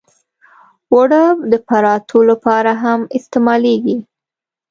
اوړه د پراتو لپاره هم استعمالېږي